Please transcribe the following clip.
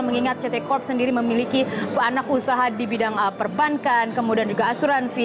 mengingat ct corp sendiri memiliki anak usaha di bidang perbankan kemudian juga asuransi